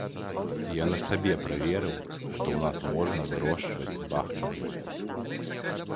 Я на сабе праверыў, што ў нас можна вырошчваць бахчавыя.